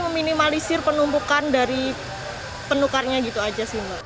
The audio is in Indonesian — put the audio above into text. meminimalisir penumpukan dari penukarnya gitu aja sih mbak